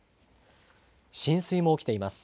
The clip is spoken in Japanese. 浸水も起きています。